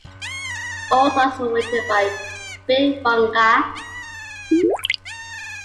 All songs were written by Bic Runga.